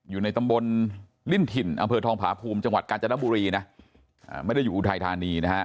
อยู่ในตำบลลิ้นถิ่นอำเภอทองผาภูมิจังหวัดกาญจนบุรีนะไม่ได้อยู่อุทัยธานีนะฮะ